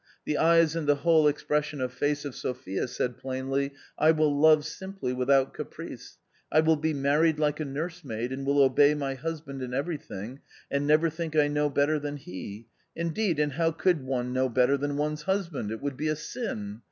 The eyes and the whole expression of face of Sophia said plainly :" I will love simply without caprice, I will be married like a nursemaid, and will obey my husband in everything and never think I know better than he ; indeed, and how could one know better than one's husband ? it would be a sin.